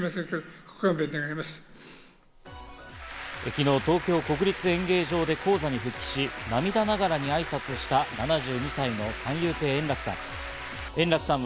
昨日、東京国立演芸場で高座に復帰し、涙ながらに挨拶した、７２歳の三遊亭円楽さん。